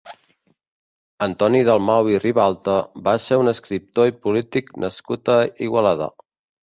Antoni Dalmau i Ribalta va ser un escriptor i polític nascut a Igualada.